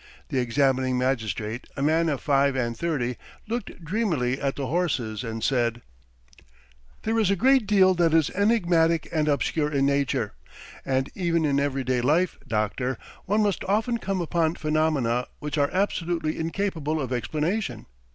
The examining magistrate, a man of five and thirty, looked dreamily at the horses and said: "There is a great deal that is enigmatic and obscure in nature; and even in everyday life, doctor, one must often come upon phenomena which are absolutely incapable of explanation.